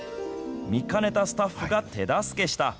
見かねたスタッフが手助けした。